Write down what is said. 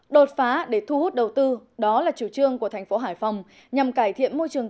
đột phá để thu hút đầu tư đó là chủ trương của thành phố hải phòng nhằm cải thiện môi trường